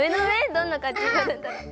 どんなかんじになるんだろう。